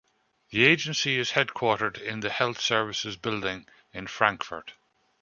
The agency is headquartered in the Health Services Building in Frankfort.